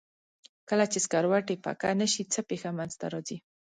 کله چې سکروټې پکه نه شي څه پېښه منځ ته راځي؟